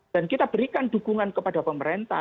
dan kita berikan dukungan kepada pemerintah